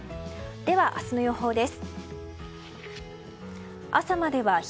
では、明日の予報です。